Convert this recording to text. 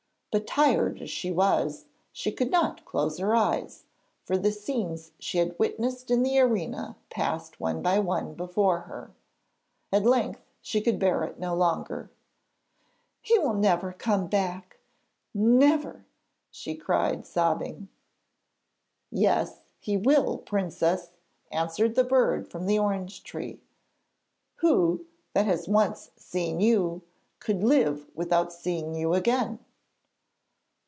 But tired as she was she could not close her eyes, for the scenes she had witnessed in the arena passed one by one before her. At length she could bear it no longer: 'He will never come back! Never!' she cried, sobbing. 'Yes, he will, Princess,' answered the bird from the orange tree. 'Who, that has once seen you, could live without seeing you again?'